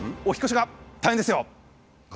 お引っ越しが大変ですよ。